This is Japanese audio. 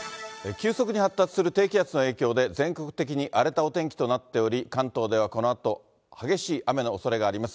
急速に発達する低気圧の影響で、全国的に荒れたお天気となっており、関東ではこのあと、激しい雨のおそれがあります。